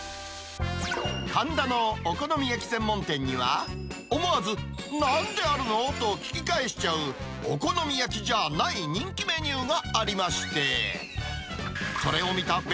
神田のお好み焼き専門店には、思わずなんであるの？と聞き返しちゃう、お好み焼きじゃない人気メニューがありまして。